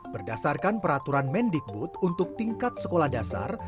berdasarkan peraturan mendikbud untuk tingkat sekolah dasar